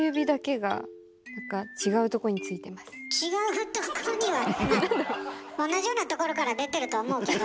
違うとこには同じようなところから出てると思うけど。